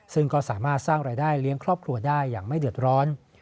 ซึ่งก็สามารถสร้างรายได้เลี้ยงครอบครัวได้อย่างไม่เดือดร้อน